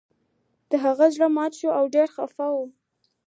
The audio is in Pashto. د هغه زړه مات شوی و او ډیر خفه و